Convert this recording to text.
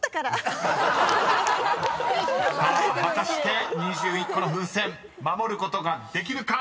［さあ果たして２１個の風船守ることができるか］